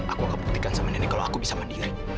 aku akan buktikan sama nenek kalau aku bisa mandiri